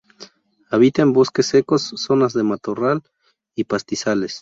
Habita en bosques secos, zonas de matorral y pastizales.